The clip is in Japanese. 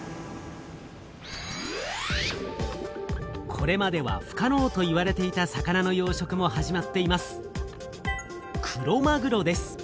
これまでは不可能といわれていた魚の養しょくも始まっています。